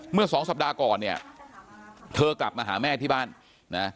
เมื่อสองสัปดาห์ก่อนเนี่ยเธอกลับมาหาแม่ที่บ้านนะ